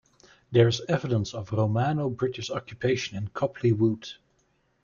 There is evidence of Romano-British occupation in Copley Wood.